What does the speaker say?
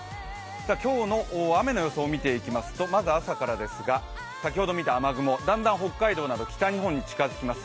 今日の雨の予想を見ていきますとまず朝からですが先ほど見た雨雲、だんだん北海道など北日本に近づきます。